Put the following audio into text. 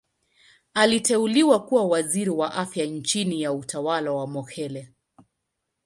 Aliteuliwa kuwa Waziri wa Afya chini ya utawala wa Mokhehle.